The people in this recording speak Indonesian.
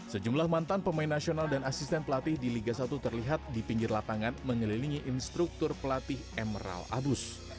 sejumlah mantan pemain nasional dan asisten pelatih di liga satu terlihat di pinggir lapangan mengelilingi instruktur pelatih emerald abus